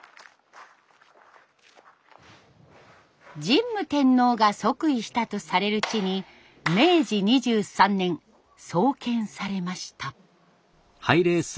神武天皇が即位したとされる地に明治２３年創建されました。